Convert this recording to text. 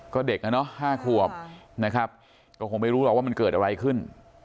ก็เด็กอ่ะเนอะ๕ขวบนะครับก็คงไม่รู้หรอกว่ามันเกิดอะไรขึ้น